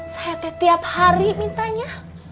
saya tiap hari mintanya